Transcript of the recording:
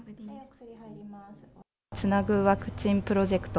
つなぐワクチンプロジェクト。